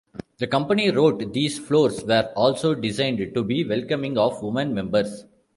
The company wrote these floors were also designed to be "welcoming of women members".